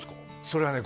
それはね